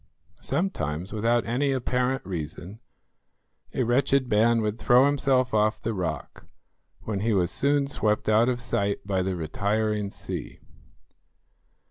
Sometimes, without any apparent reason, a wretched man would throw himself off the rock, when he was soon swept out of sight by the retiring sea.